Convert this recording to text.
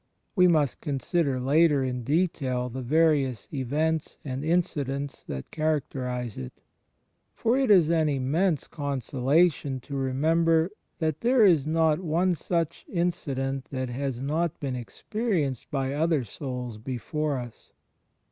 We must consider later in detail the various events and incidents that characterize it. For it is an inmaense consolation to remember that there is not one such incident that has not been experienced by other souls before us.